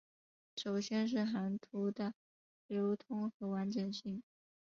首先是航图的流通和完整性。